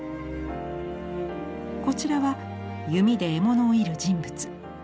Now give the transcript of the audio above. こちらは弓で獲物を射る人物。